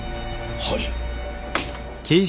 はい。